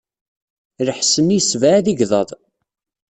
Lḥess-nni yessebɛad igḍaḍ.